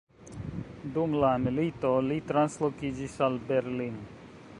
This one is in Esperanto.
Dum la milito li translokiĝis al Berlin.